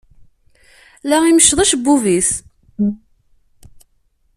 La imecceḍ acebbub-is.